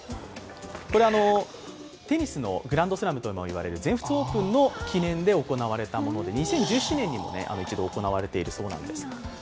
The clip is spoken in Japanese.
テニスのグランドスラムとも言われる全仏オープンのときに行われたもので、２０１７年にも一度行われているそうなんです。